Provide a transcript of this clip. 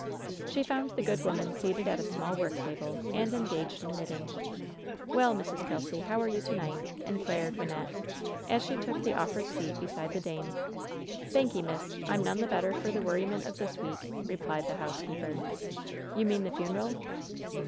She found the good woman seated at a small work table and engaged in knitting. "Well, Mrs. Kelsy, how are you to night ?" inquired Wynnette, as she took the offered seat beside the dame. "Thanky', miss, I'm none the better for the worri ment of this week," replied the housekeeper. "You mean the funeral?"